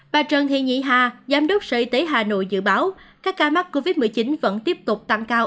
bà trần thị nhị hà giám đốc sở y tế hà nội dự báo các ca mắc covid một mươi chín vẫn tiếp tục tăng cao